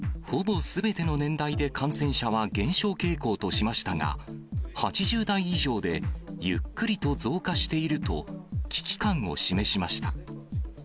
ほぼすべての年代で感染者は減少傾向としましたが、８０代以上でゆっくりと増加していると、危機感を示しました。